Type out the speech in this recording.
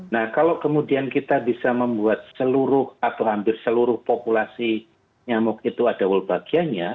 nah kalau kemudian kita bisa membuat seluruh atau hampir seluruh populasi nyamuk itu ada world bagiannya